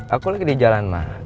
aku lagi di jalan mah